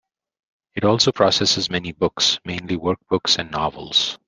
It also processes many books, mainly work books and novels.